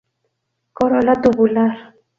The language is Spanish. Corola tubular.